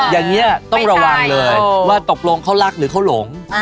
อย่างนี้ต้องระวังเลยว่าตกลงเขารักหรือเขาหลง